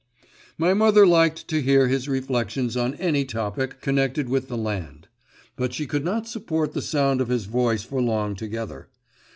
My mother liked to hear his reflections on any topic connected with the land. But she could not support the sound of his voice for long together.